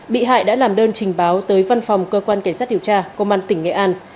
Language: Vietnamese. bị hại đã làm đơn trình báo tới văn phòng cơ quan cảnh sát điều tra công an tỉnh nghệ an